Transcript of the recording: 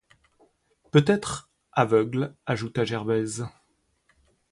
Peut-être aveugle, ajouta Gervaise.